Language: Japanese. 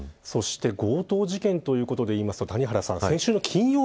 そして強盗事件ということでいうと、谷原さん